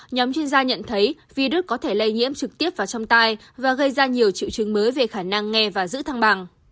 nhóm chuyên gia nhận thấy vi đức có thể lây nhiễm trực tiếp vào trong tay và gây ra nhiều triệu chứng mới về khả năng nghe và giữ thăng bằng